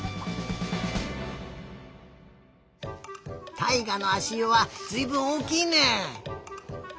たいがのあしゆはずいぶんおおきいね。